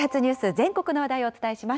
全国の話題をお伝えします。